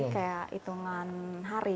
kayak hitungan hari